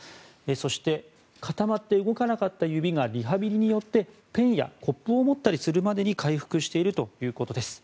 そして固まって動かなかった指がリハビリによってペンやコップを持ったりするまでに回復しているということです。